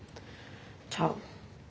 じゃあね。